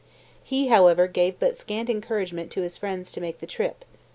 He, however, gave but scant encouragement to his friends to make the trip.